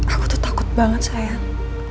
aku tuh takut banget sayang